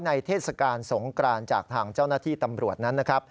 เทศกาลสงกรานจากทางเจ้าหน้าที่ตำรวจนั้นนะครับ